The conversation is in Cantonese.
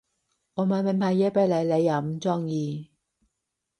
我買名牌嘢畀你你又唔中意